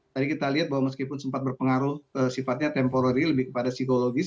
tadi kita lihat bahwa meskipun sempat berpengaruh sifatnya temporary lebih kepada psikologis